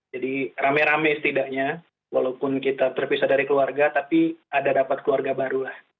jadi rame rame setidaknya walaupun kita terpisah dari keluarga tapi ada dapat keluarga baru lah